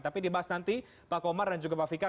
tapi dibahas nanti pak komar dan juga pak fikar